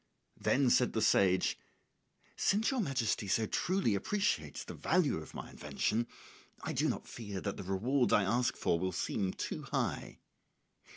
Then said the sage, "Since your Majesty so truly appreciates the value of my invention, I do not fear that the reward I ask for will seem too high.